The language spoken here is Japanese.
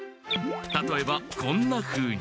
たとえばこんなふうに。